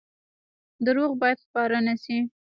دروغ باید خپاره نشي